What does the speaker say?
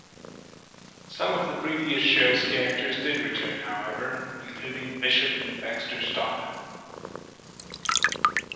Some of the previous shows characters did return, however, including Bishop and Baxter Stockman.